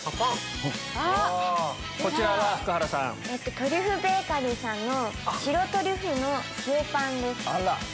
トリュフベーカリーさんの白トリュフの塩パンです。